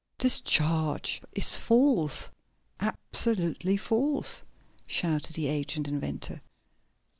"This charge is false! Absolutely false!" shouted the aged inventor.